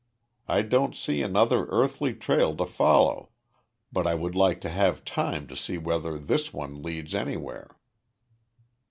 I don't see another earthly trail to follow, but I would like to have time to see whether this one leads anywhere."